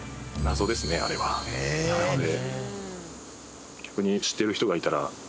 なので。